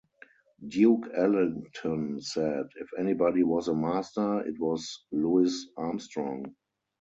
Duke Ellington said, If anybody was a master, it was Louis Armstrong.